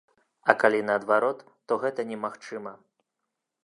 А калі наадварот, то гэта немагчыма.